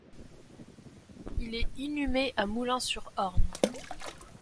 Il est inhumé à Moulins-sur-Orne.